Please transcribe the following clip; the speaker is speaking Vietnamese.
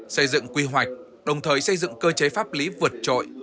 xây dựng quy hoạch đồng thời xây dựng cơ chế pháp lý vượt trội